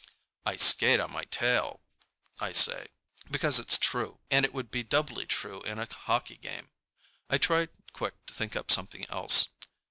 "I skate on my tail," I say, because it's true, and it would be doubly true in a hockey game. I try quick to think up something else.